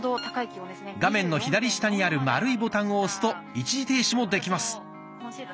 画面の左下にある丸いボタンを押すと一時停止もできます。